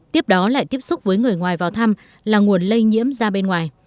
tiếp đó lại tiếp xúc với người ngoài vào thăm là nguồn lây nhiễm ra bên ngoài